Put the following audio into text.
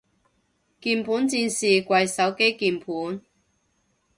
鍵盤戰士跪手機鍵盤